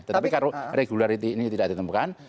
tetapi kalau regularity ini tidak ditemukan